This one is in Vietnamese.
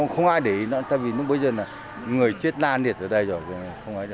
không ai để ý nó tại vì nó bây giờ là người chết nan điệt ở đây rồi